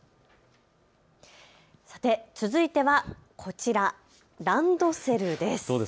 さて続いては、こちらランドセルです。